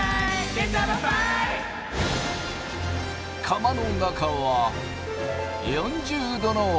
釜の中は４０℃のお湯。